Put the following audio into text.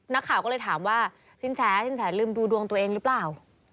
นักข่าวก็เลยถามว่าสินแสสินแสลืมดูดวงตัวเองหรือเปล่า